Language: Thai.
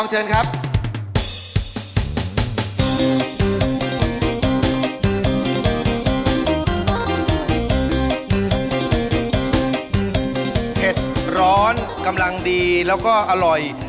เผ็ดร้อนกำลังดีแล้วก็อร่อย